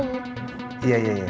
bagaimanamu studied sama aku